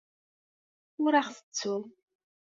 Ur aɣ-ttettu!